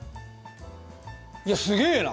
いやすげえな！